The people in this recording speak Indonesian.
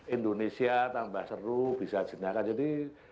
indonesia tambah seru bisa jenaka jadi